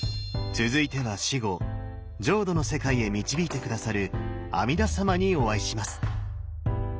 続いては死後浄土の世界へ導いて下さる阿弥陀様にお会いします！